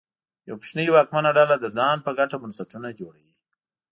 یوه کوچنۍ واکمنه ډله د ځان په ګټه بنسټونه جوړوي.